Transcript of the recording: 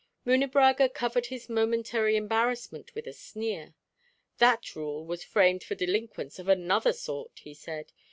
Munebrãga covered his momentary embarrassment with a sneer. "That rule was framed for delinquents of another sort," he said.